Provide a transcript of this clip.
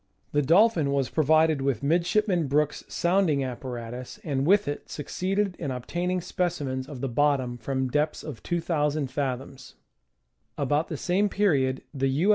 The Dolphin was provided with Midshipman Brooke's sounding apparatus and with it succeeded in obtaining specimens of the bottom from depths of 2,000 fathoms. About the same period the U.